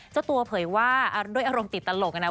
เจ้าตัวเผยว่าด้วยอารมณ์ติดตลกนะ